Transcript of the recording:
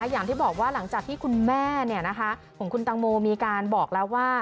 อย่างที่บอกว่าหลังจากที่คุณแม่ของคุณตังโมมีการบอกแล้วว่า